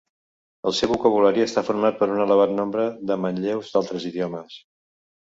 El seu vocabulari està format per un elevat nombre de manlleus d'altres idiomes.